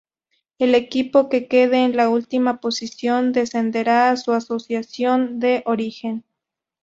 El equipo que quede en la última posición descenderá a su Asociación de Origen.